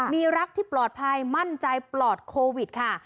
มีรักที่ปลอดภัยมั่นใจปลอดโควิดค่ะ